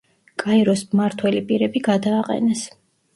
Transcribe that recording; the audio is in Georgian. კაიროს მმართველი პირები გადააყენეს.